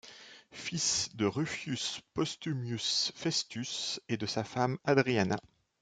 Fils de Rufius Postumius Festus et de sa femme Hadriana.